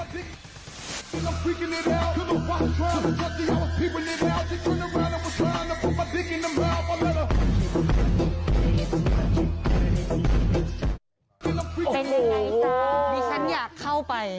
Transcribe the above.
เป็นยังไงจ๊ะดิฉันอยากเข้าไป